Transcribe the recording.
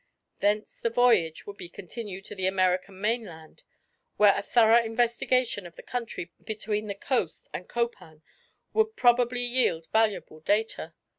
Thence the voyage would be continued to the American mainland, where a thorough investigation of the country between the coast and Copan would probably yield valuable data.